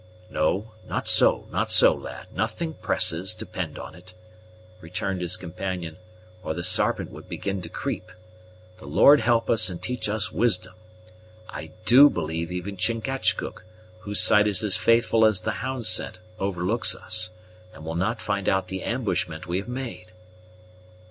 "Not so, not so, lad; nothing presses, depend on it;" returned his companion, "or the Sarpent would begin to creep. The Lord help us and teach us wisdom! I do believe even Chingachgook, whose sight is as faithful as the hound's scent, overlooks us, and will not find out the ambushment we have made!"